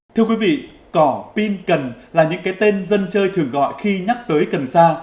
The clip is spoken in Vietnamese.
thưa quý vị cỏ pin cần là những cái tên dân chơi thường gọi khi nhắc tới cần sa